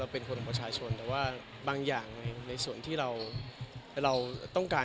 เป็นคนของประชาชนแต่ว่าบางอย่างในส่วนที่เราต้องการ